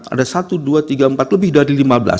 ada satu dua tiga empat lebih dari lima belas